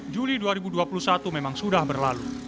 juli dua ribu dua puluh satu memang sudah berlalu